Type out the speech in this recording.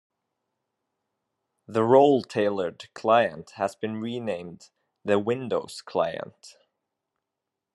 The RoleTailored Client has been renamed the Windows Client.